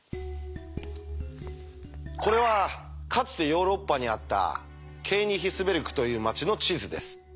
これはかつてヨーロッパにあったケーニヒスベルクという町の地図です。